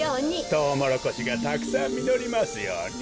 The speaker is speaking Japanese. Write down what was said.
トウモロコシがたくさんみのりますように。